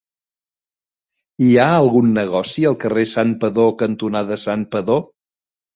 Hi ha algun negoci al carrer Santpedor cantonada Santpedor?